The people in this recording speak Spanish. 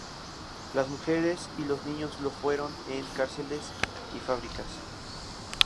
Las mujeres y los niños lo fueron en cárceles y fábricas.